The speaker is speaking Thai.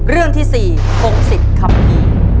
เรื่องที่๔โภงศิษย์คำพี